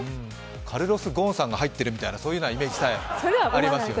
カルロス・ゴーンさんが入っているみたいなイメージありますよね。